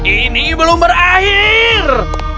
ini belum berakhir